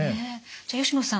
じゃ吉野さん